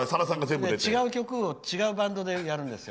違う曲を違うバンドでやるんですよ。